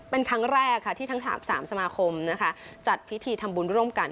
เป็นครั้งแรกค่ะที่ทั้ง๓๓สมาคมจัดพิธีทำบุญร่วมกัน